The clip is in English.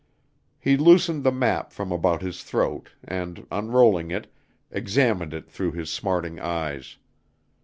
He loosened the map from about his throat and, unrolling it, examined it through his smarting eyes.